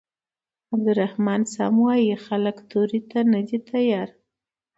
عبدالرحمن سمه وايي خلک تورې ته نه دي تيار.